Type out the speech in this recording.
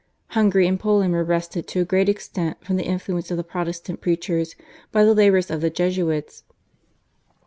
Hungary and Poland were wrested to a great extent from the influence of the Protestant preachers by the labours of the Jesuits.